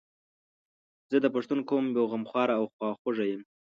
زه د پښتون قوم یو غمخوار او خواخوږی یم